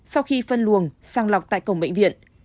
sau khi phân luồng sang lọc tại cổng bệnh viện